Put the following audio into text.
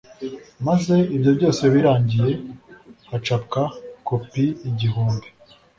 maze ibyo byose birangiye hacapwa kopi igihumbi